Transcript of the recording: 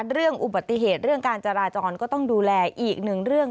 เรื่องอุบัติเหตุเรื่องการจราจรก็ต้องดูแลอีกหนึ่งเรื่อง